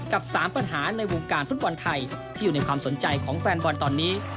๓ปัญหาในวงการฟุตบอลไทยที่อยู่ในความสนใจของแฟนบอลตอนนี้